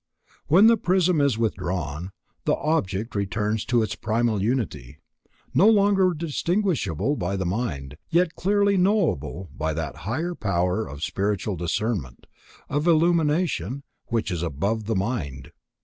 When the prism is withdrawn, the object returns to its primal unity, no longer distinguishable by the mind, yet clearly knowable by that high power of spiritual discernment, of illumination, which is above the mind.